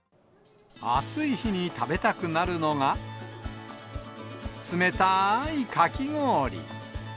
暑い日に食べたくなるのが、冷たいかき氷。